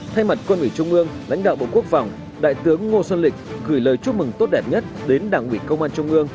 thay mặt quân ủy trung ương lãnh đạo bộ quốc phòng đại tướng ngô xuân lịch gửi lời chúc mừng tốt đẹp nhất đến đảng ủy công an trung ương